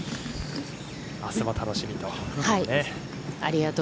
あすも楽しみと。